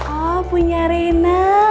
oh punya rena